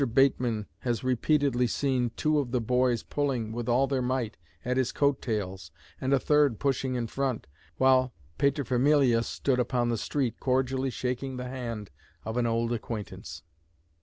Bateman has repeatedly seen two of the boys pulling with all their might at his coat tails, and a third pushing in front, while paterfamilias stood upon the street cordially shaking the hand of an old acquaintance.